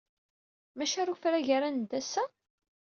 Maci ɣer ufrag ara neddu ass-a?